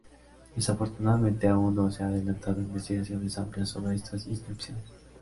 Desafortunadamente aún no se han adelantado investigaciones amplias sobre estas inscripciones.